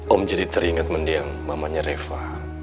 om jadi teringat mendiam mamanya reva